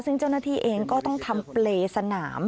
ซึ่งเจ้าหน้าที่เองก็ต้องทำเปรย์สนาม